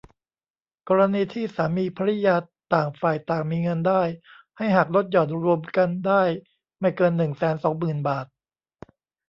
กรณีที่สามีภริยาต่างฝ่ายต่างมีเงินได้ ให้หักลดหย่อนรวมกันได้ไม่เกิน หนึ่งแสนสองหมื่น บาท